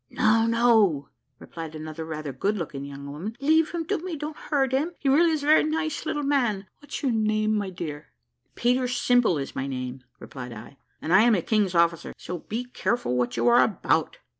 "No, no," replied another rather good looking young woman, "leave him to me don't hurt him he really is a very nice little man. What's your name, my dear?" "Peter Simple is my name," replied I; "and I am a King's officer, so he careful what you are about."